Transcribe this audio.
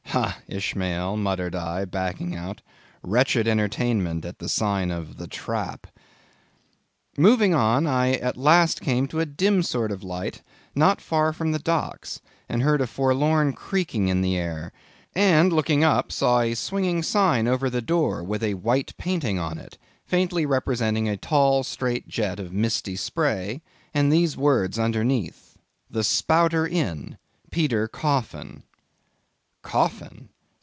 Ha, Ishmael, muttered I, backing out, Wretched entertainment at the sign of 'The Trap!' Moving on, I at last came to a dim sort of light not far from the docks, and heard a forlorn creaking in the air; and looking up, saw a swinging sign over the door with a white painting upon it, faintly representing a tall straight jet of misty spray, and these words underneath—"The Spouter Inn:—Peter Coffin." Coffin?